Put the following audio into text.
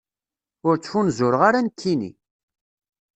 Ur ttfunzureɣ ara, nekkini.